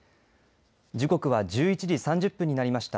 時刻は１１時３０分になりました。